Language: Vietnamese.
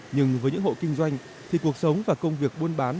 nhưng với những hộ kinh doanh thì cuộc sống và công việc buôn bán